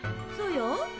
そうよ。